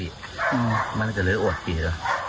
อืมมันก็เลยโอดเกลียด